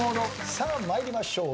さあ参りましょう。